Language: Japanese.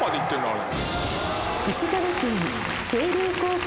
あれ。